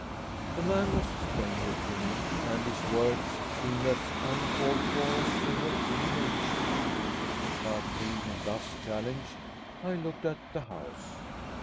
The man was a stranger to me, and his words seemed as uncalled for as they were ill natured. But being thus challenged I looked at the house.